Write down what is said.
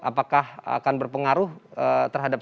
apakah akan berpengaruh terhadap